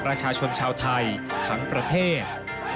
ประชาชนชาวไทยทั้งประเทศ